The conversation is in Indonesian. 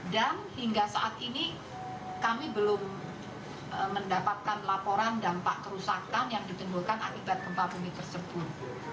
dan hingga saat ini kami belum mendapatkan laporan dampak kerusakan yang ditimbulkan akibat gempa bumi tersebut